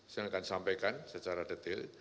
saya akan sampaikan secara detail